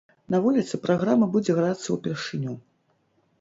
На вуліцы праграма будзе грацца ўпершыню.